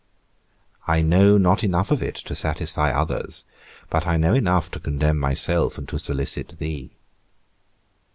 I know not enough of it to satisfy others, but I know enough to condemn myself, and to solicit thee.